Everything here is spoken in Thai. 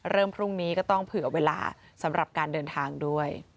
พรุ่งนี้ก็ต้องเผื่อเวลาสำหรับการเดินทางด้วย